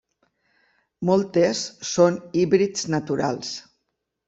Moltes són híbrids naturals.